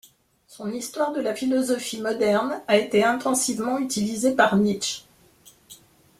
Son histoire de la philosophie moderne a été intensivement utilisée par Nietzsche.